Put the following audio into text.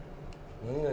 何何？